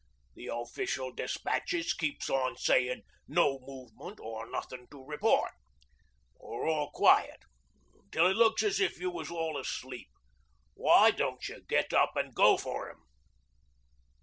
The official despatches keeps on sayin' 'no movement,' or 'nothin' to report,' or 'all quiet,' till it looks as if you was all asleep. Why don't you get up an' go for 'em?"'